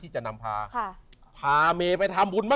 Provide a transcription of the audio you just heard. ใช่